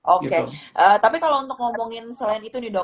oke tapi kalau untuk ngomongin selain itu nih dok